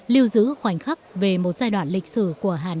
lưu giữ khoảnh khắc về một dòng thời gian